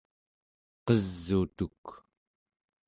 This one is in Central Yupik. qes'utuk